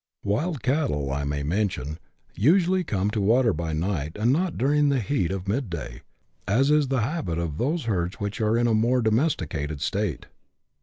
Wild cattle, I may mention, usually come to water by night, and not during the heat of midday, as is the habit of those herds which are in a more domesticated state.